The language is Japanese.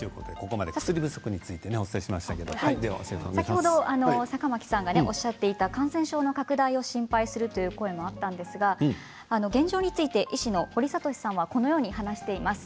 先ほど坂巻さんがおっしゃっていた感染症の拡大を心配するという声もあったんですが現状について医師の堀賢さんはこのように話しています。